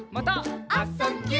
「あ・そ・ぎゅ」